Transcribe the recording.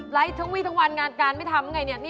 ไลฟ์ทั้งวีทั้งวันงานการไม่ทำเป็นอย่างไรนี่